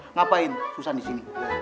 ngapain susan di sini